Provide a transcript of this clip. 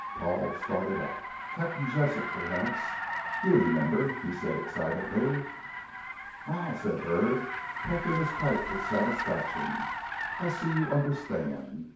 Paul started up. "Captain Jessop, perhaps. You remember?" he said excitedly. "Ah," said Hurd, puffing his pipe with satisfaction, "I see you understand.